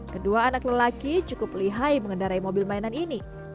kedua anak lelaki cukup lihai mengendarai mobil mainan ini